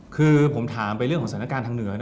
คือผมถามไปเรื่องของสถานการณ์ทางเหนือ